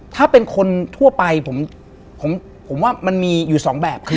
ถ้าเป็นคนทั่วไปผมว่ามันมีอยู่สองแบบ